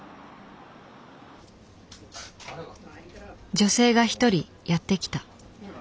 女性が一人やって来た。